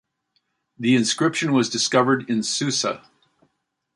The inscription was discovered in Susa.